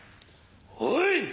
おい！